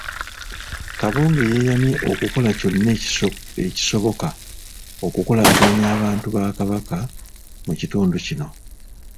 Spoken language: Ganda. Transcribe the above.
Kabonge yeeyamye okukola kyonna ekisoboka okukulaakulanya abantu ba Kabaka mu kitundu kino